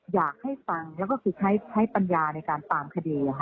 อยากให้ฟังแล้วก็คือใช้ปัญญาในการตามคดี